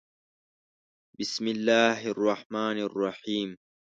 《بِسْمِ اللَّـهِ الرَّحْمَـٰنِ الرَّحِيمِ》